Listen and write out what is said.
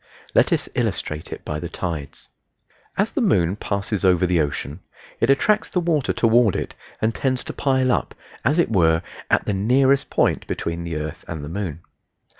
Let us illustrate it by the tides. As the moon passes over the ocean it attracts the water toward it and tends to pile up, as it were, at the nearest point between the earth and the moon.